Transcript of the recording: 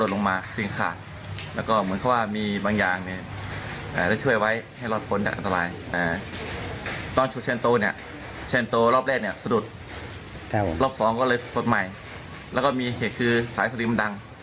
และมีเหตุคือสายสลิมดัง